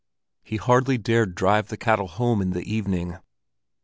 He hardly dared drive the cattle home in the evening.